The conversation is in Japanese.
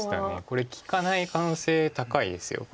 これ利かない可能性高いです。